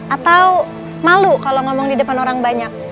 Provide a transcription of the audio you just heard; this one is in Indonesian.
atau malu kalau ngomong di depan orang banyak